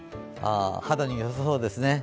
肌によさそうですね。